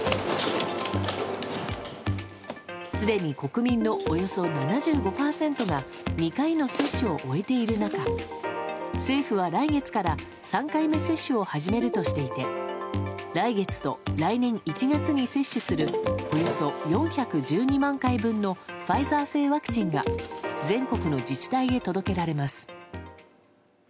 すでに国民のおよそ７５％が２回の接種を終えている中政府は来月から３回目接種を始めるとしていて来月と来年１月に接種するおよそ４１２万回分のファイザー製ワクチンが全国の自治体へ届けられます。